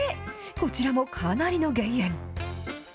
こちらもかなりの減塩。